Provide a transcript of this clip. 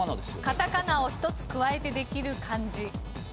カタカナを１つ加えてできる漢字。